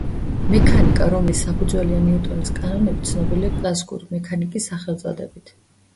მექანიკა, რომლის საფუძველია ნიუტონის კანონები, ცნობილია კლასიკური მექანიკის სახელწოდებით.